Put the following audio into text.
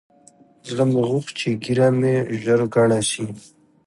زړه مې غوښت چې ږيره مې ژر گڼه سي.